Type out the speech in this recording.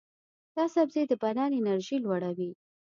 دا سبزی د بدن انرژي لوړوي.